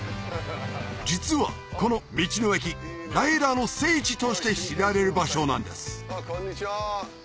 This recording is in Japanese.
実はこの道の駅ライダーの聖地として知られる場所なんですこんにちは